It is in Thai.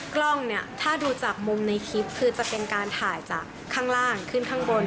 กล้องเนี่ยถ้าดูจากมุมในคลิปคือจะเป็นการถ่ายจากข้างล่างขึ้นข้างบน